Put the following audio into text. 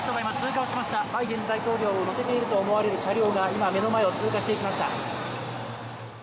バイデン大統領を乗せていると思われる車両が今、目の前を通過していきました。